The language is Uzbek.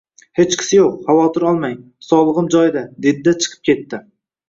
Xechqisi yo`q, xavotir olmang, sog`ligim joyida, dedi-da, chiqib ketdi